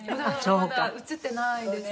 まだ映ってないですね。